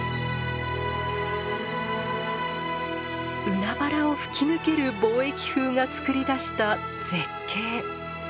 海原を吹き抜ける貿易風がつくり出した絶景。